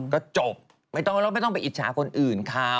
ก็จบไม่ต้องไปอิจฉาคนอื่น